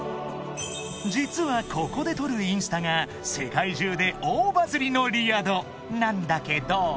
［実はここで撮るインスタが世界中で大バズりのリヤドなんだけど］